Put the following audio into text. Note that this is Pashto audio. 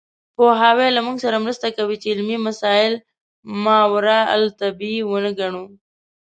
پوهاوی له موږ سره مرسته کوي چې علمي مسایل ماورالطبیعي ونه ګڼو.